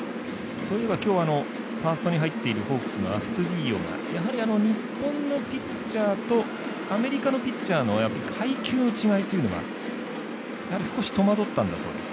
そういえば、ファーストに入っている、ホークスのアストゥディーヨがやはり日本のピッチャーとアメリカのピッチャーの配球の違いというのはやはり少し戸惑ったんだそうです。